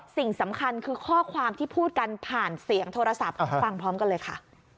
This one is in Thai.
สิ่งสำคัญคือข้อความที่พูดกันผ่านเสียงโทรศัพท์ฟังพร้อมกันเลยค่ะ